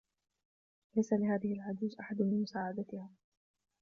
ليس لهذه العجوز أحد لمساعدتها.